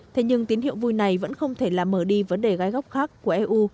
thế nhưng tín hiệu vui này vẫn không thể làm mở đi vấn đề gai góc khác của eu